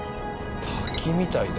滝みたいだ。